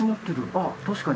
ああ確かに。